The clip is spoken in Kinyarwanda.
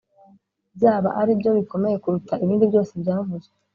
byaba aribyo bikomeye kuruta ibindi byose byavuzwe